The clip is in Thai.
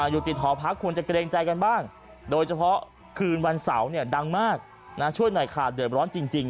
อยู่ติดหอพักควรจะเกรงใจกันบ้างโดยเฉพาะคืนวันเสาร์เนี่ยดังมากช่วยหน่อยค่ะเดือดร้อนจริง